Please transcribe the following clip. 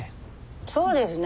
そうですね。